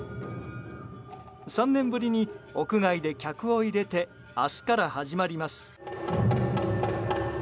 ３年ぶりに屋外で客を入れて明日から始まります。